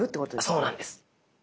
そうなんです。